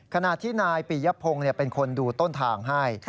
ขณะที่นายปียพงศ์เป็นคนดูต้นทางให้